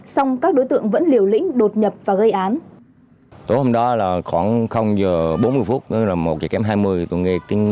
song các đối tượng vẫn liều lĩnh đột nhập và gây án